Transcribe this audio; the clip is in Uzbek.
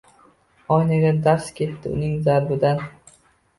Oynaga darz ketdi uning zarbidan